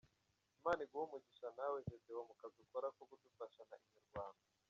Imana iguhe umugisha nawe Gedeon mu kazi ukora ko kudufasha na Inyarwanda.